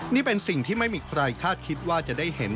นี่เป็นสิ่งที่ไม่มีใครคาดคิดว่าจะได้เห็น